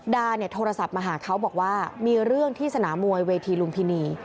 ดาเนี่ยโทรศัพท์มาหาเขาบอกว่ามีเรื่องที่สนามมวยเวทีลุมพินี